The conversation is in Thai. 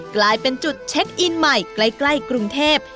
กลายเป็นจุดเช็คอินใหม่ใกล้กรุงเทพ